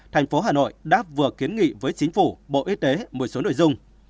thành phố hà nội đã vừa kiến nghị với chính phủ bộ y tế một số nội dung